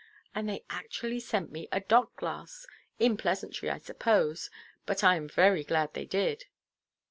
And they actually sent me a dock–glass, in pleasantry, I suppose: but I am very glad they did."